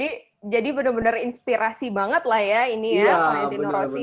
iya jadi bener bener inspirasi banget lah ya ini ya valentino rozi ya